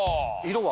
色は？